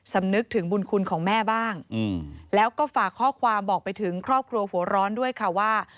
สำนึกถึงบุญคุณของแม่บ้างแล้วก็ฝากข้อความบอกไปถึงครอบครัวหัวร้อนด้วยค่ะว่า